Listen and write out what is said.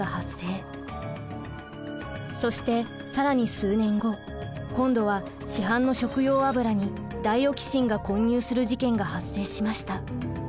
そして更に数年後今度は市販の食用油にダイオキシンが混入する事件が発生しました。